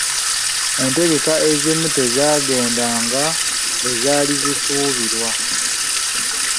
Entegeka ezimu tezaagenda nga bwe zaali zisuubirwa.